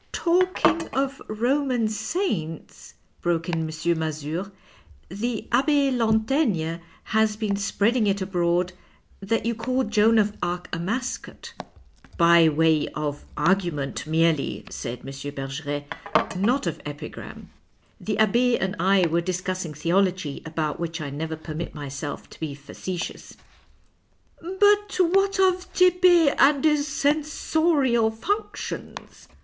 " Talking of Roman saints," broke in M. Mazure, " the Abbe Lantaigne has been spreading it abroad that you called Joan of Arc a mascot." " By way of argument merely," said M. Bergeret, " not of epigram. The Abbe and I were discussing theology, about which I never permit myself to be facetious." " But what of Tepe and his censorial functions